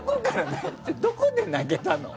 どこで泣けたの？